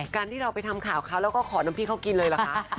การที่เราไปทำข่าวเขาแล้วก็ขอน้ำพริกเขากินเลยเหรอคะ